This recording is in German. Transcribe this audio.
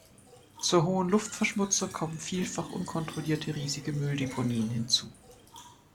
Zur hohen Luftverschmutzung kommen vielfach unkontrollierte riesige Mülldeponien hinzu.